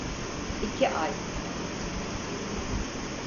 İki ay.